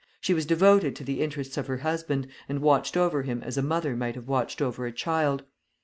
She was devoted to the interests of her husband, and watched over him as a mother might have watched over a child.